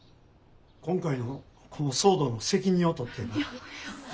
今回のこの騒動の責任を取ってやな。